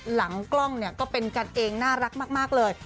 หลังกล้องเนี่ยก็เป็นกันเองน่ารักมากเลย